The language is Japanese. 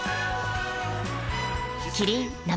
キリン「生茶」